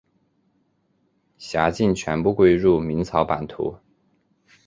辖境全部归入明朝版图。